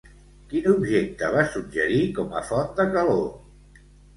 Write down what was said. Quin objecte va suggerir com a font de calor?